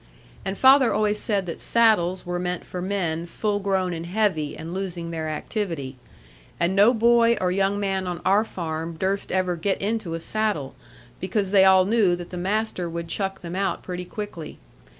And father always said that saddles were meant for men full grown and heavy, and losing their activity; and no boy or young man on our farm durst ever get into a saddle, because they all knew that the master would chuck them out pretty quickly.